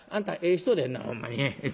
人でんなほんまに。